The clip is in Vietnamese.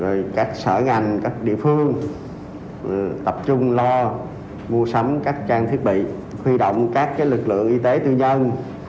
rồi các sở ngành các địa phương tập trung lo mua sắm các trang thiết bị huy động các lực lượng y tế tư nhân